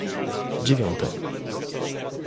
Dziewiąte